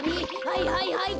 はいはいはい！